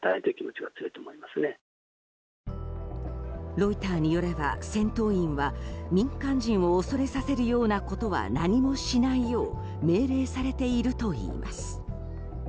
ロイターによれば、戦闘員は民間人を恐れさせるようなことは何もしないよう命令されているといいます。